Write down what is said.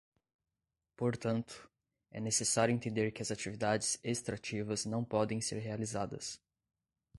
Portanto, é necessário entender que as atividades extrativas não podem ser realizadas.